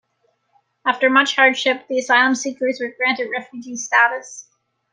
After much hardship, the asylum seekers were granted refugee status.